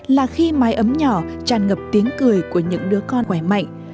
là khi mái ấm nhỏ tràn ngập tiếng cười của những đứa con khỏe mạnh